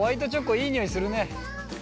いい匂いするね。